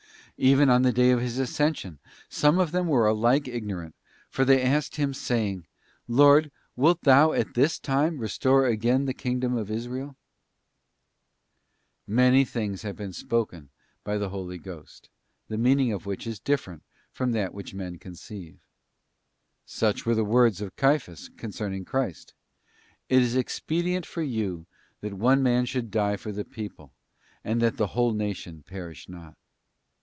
Even on the day of His Ascension some of them were alike igno rant, for they asked Him saying, ' Lord, wilt thou at this time restore again the kingdom to Israel ?' t Many things have been spoken by the Holy Ghost, the meaning of which is different from that which men conceive. Such were the words of Caiphas concerning Christ: ' It is expedient for you that one man should die for the people, and that the whole nation perish not.